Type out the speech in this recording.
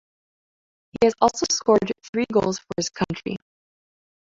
He has also scored three goals for his country.